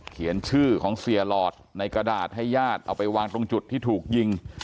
เขียนชื่อของเสียหลอดในกระดาษให้ญาติเอาไปวางตรงจุดที่ถูกยิง